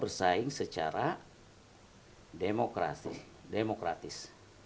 berusaha bersaing secara demokratis